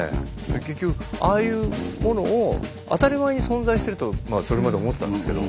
結局ああいうものを当たり前に存在してるとそれまで思ってたんですけど